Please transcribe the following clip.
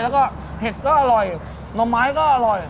แล้วก็เห็ดก็อร่อยหน่อไม้ก็อร่อย